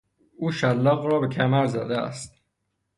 او شلاق را به کمر زده است.